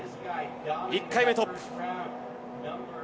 １回目トップ。